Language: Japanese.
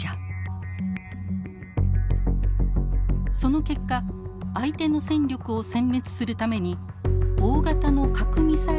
その結果相手の戦力をせん滅するために大型の核ミサイルで攻撃の応酬が始まります。